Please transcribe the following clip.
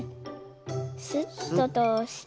スッととおして。